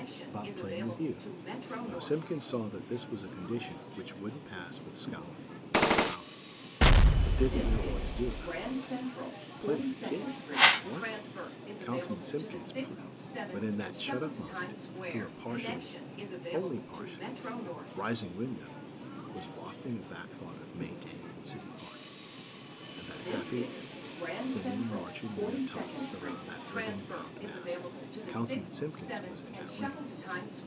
"About playing with you." Now Simpkins saw that this was a condition which wouldn't pass with scowling or growling, but didn't know what to do about it. Play with a kid? What? Councilman Simpkins pl But into that shut up mind, through a partially, only partially, rising window, was wafting a back thought of May Day in City Park; and that happy, singing, marching ring of tots around that ribbon wound mast. Councilman Simpkins was in that ring.